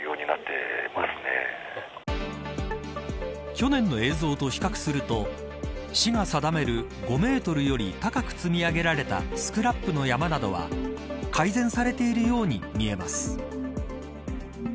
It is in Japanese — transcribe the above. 去年の映像と比較すると市が定める５メートルより高く積み上げられたスクラップの山などは改善されているように見えます。